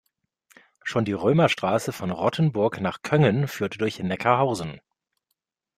Schon die Römerstraße von Rottenburg bis nach Köngen führte durch Neckarhausen.